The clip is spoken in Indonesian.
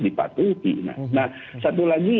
dipatuhi nah satu lagi